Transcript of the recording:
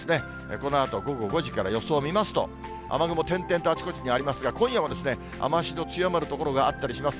このあと午後５時から予想見ますと、雨雲、点々とあちこちにありますが、今夜も雨足の強まる所があったりします。